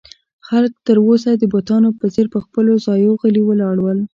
خلک تر اوسه د بتانو په څېر پر خپلو ځایو غلي ولاړ ول.